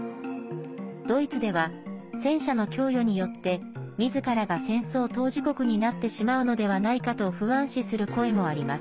ドイツでは、戦車の供与によってみずからが戦争当事国になってしまうのではないかと不安視する声もあります。